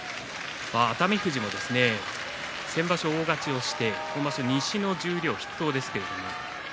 熱海富士も先場所は大勝ちをして西の十両筆頭です。